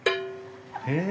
へえ。